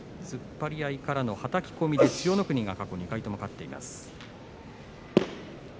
突っ張り合いからのはたき込みで千代の国が過去２回勝っています。